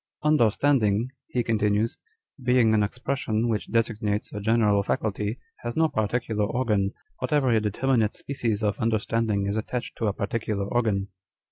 " Understanding," he continues, " being an expression which designates a general faculty, has no particular organ, but every determinate species of understanding is attached to a particular organ.